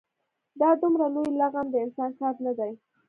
دا دومره لوی لغم د انسان کار نه دی.